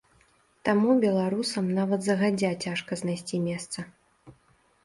Таму беларусам нават загадзя цяжка знайсці месца.